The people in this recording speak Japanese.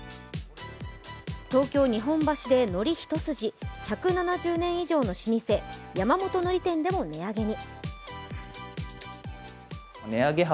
東京・日本橋で海苔一筋、１７０年以上の老舗山本海苔店でも値上げに。